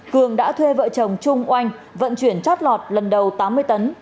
cường đã thuê vợ chồng trung oanh vận chuyển chót lọt lần đầu tám mươi tấn